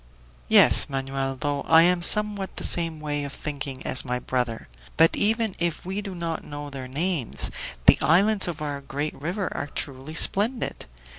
"Yes, Manoel; though I am of somewhat the same way of thinking as my brother. But even if we do not know their names, the islands of our great river are truly splendid!